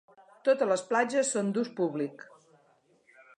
Totes les platges són d'ús públic.